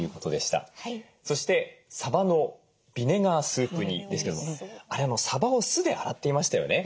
そしてさばのビネガースープ煮ですけどもあれさばを酢で洗っていましたよね。